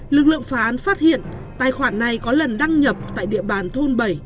lực lượng phá án phát hiện tài khoản này có lần đăng nhập tại địa bàn thôn bảy